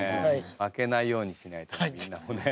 負けないようにしないとみんなもね。